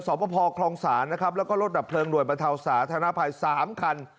สอบพอพอครองศาลนะครับแล้วก็รถดับเพลิงโดยบรรเทาศาสนาภัยสามคัน